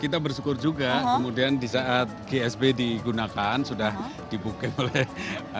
kita bersyukur juga kemudian di saat gsb digunakan sudah dibuka oleh